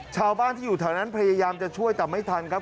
ชาวบ้านที่อยู่แถวนั้นพยายามจะช่วยแต่ไม่ทันครับ